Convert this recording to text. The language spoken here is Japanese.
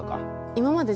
今まで。